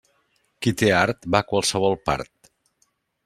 Qui té art va a qualsevol part.